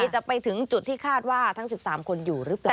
จะไปถึงจุดที่คาดว่าทั้ง๑๓คนอยู่หรือเปล่า